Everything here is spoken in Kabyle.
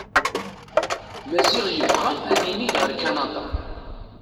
Maziɣ yebɣa ad inig ɣer kanada.